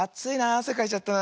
あせかいちゃったな。